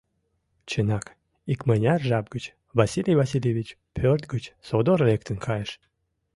Чынак, икмыняр жап гыч Василий Васильевич пӧрт гыч содор лектын кайыш.